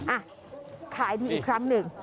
อ่ะขายดีอีกครั้งหนึ่ง